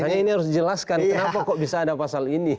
hanya ini harus dijelaskan kenapa kok bisa ada pasal ini